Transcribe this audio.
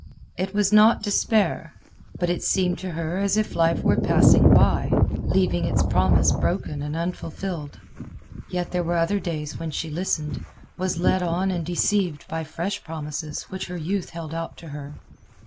It was not despair; but it seemed to her as if life were passing by, leaving its promise broken and unfulfilled. Yet there were other days when she listened, was led on and deceived by fresh promises which her youth held out to her.